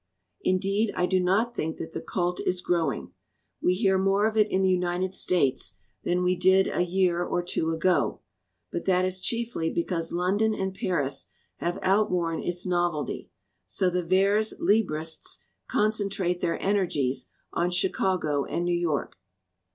Indeed, I do not think that the cult is growing; we hear more of it in the United States than we did a year or two ago, but that is chiefly because London and Paris have outworn its novelty, so the vers libristes con centrate their energies on Chicago and New York.